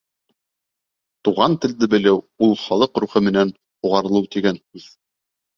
Туған телде белеү — ул халыҡ рухы менән һуғарылыу тигән һүҙ.